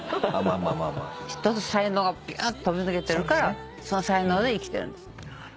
一つ才能がビュンと飛び抜けてるからその才能で生きてるんです。